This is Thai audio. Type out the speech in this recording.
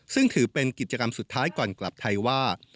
ซึ่งถือเป็นกิจกรรมสุดท้ายก่อนกลับไทยว่า